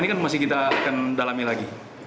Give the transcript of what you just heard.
ini kan masih kita akan dalami lagi